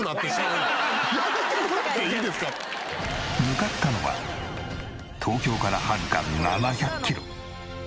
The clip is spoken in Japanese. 向かったのは東京からはるか７００キロ。